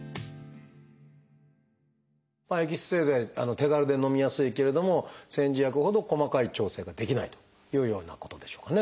手軽でのみやすいけれども煎じ薬ほど細かい調整ができないというようなことでしょうかね？